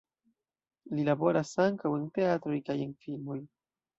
Li laboras ankaŭ en teatroj kaj en filmoj.